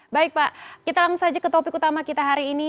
baik pak kita langsung saja ke topik utama kita hari ini